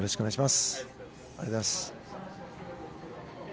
ありがとうございます。